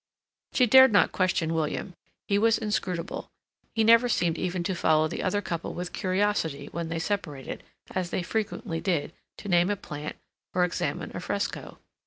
She dared not question William; he was inscrutable; he never seemed even to follow the other couple with curiosity when they separated, as they frequently did, to name a plant, or examine a fresco.